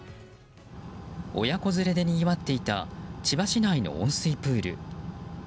親子連れでにぎわっていた千葉市内の温水プール。